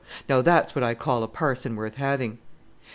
Now that's what I call a parson worth having."